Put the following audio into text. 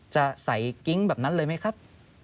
จะใส่กิ๊งแบบนั้นเลยไหมครับ